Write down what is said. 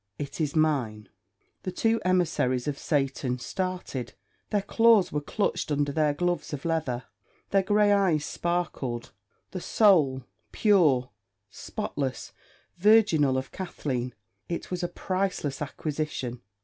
"It is mine." The two emissaries of Satan started. Their claws were clutched under their gloves of leather; their grey eyes sparkled; the soul, pure, spotless, virginal of Kathleen it was a priceless acquisition!